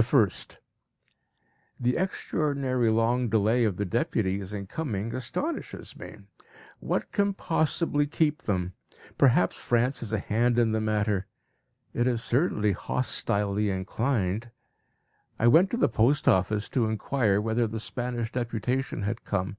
The 1st. The extraordinary long delay of the deputies in coming astonishes me. What can possibly keep them? Perhaps France has a hand in the matter; it is certainly hostilely inclined. I went to the post office to inquire whether the Spanish deputation had come.